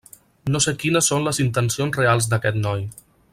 No sé quines són les intencions reals d'aquest noi.